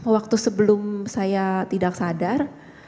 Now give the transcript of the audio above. waktu sebelum saya tidak sadar